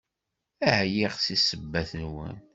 Ɛyiɣ seg ssebbat-nwen!